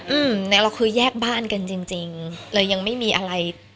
อืมแต่เราคือแยกบ้านกันจริงจริงเลยยังไม่มีอะไร